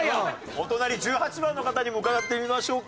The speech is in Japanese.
お隣１８番の方にも伺ってみましょうか。